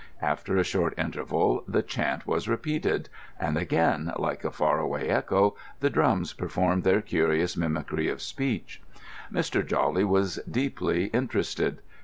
After a short interval, the chant was repeated, and again, like a far away echo, the drums performed their curious mimicry of speech. Mr. Jawley was deeply interested.